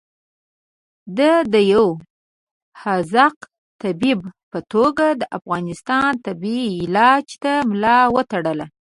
ده د یو حاذق طبیب په توګه د افغانستان تبې علاج ته ملا وتړله.